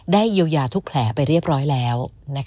เยียวยาทุกแผลไปเรียบร้อยแล้ว